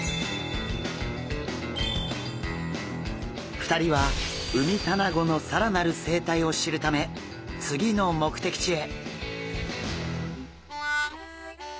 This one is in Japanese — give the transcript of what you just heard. ２人はウミタナゴの更なる生態を知るため次の目的地へ。